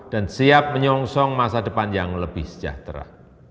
dan siap menyongsong masa depan yang lebih sejahtera